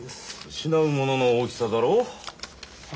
失うものの大きさだろ？はあ。